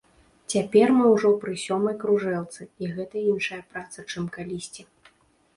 Цяпер мы ўжо пры сёмай кружэлцы, і гэта іншая праца, чым калісьці.